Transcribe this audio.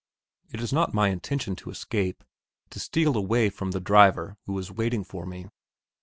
It is not my intention to escape, to steal away from the driver who is waiting for me.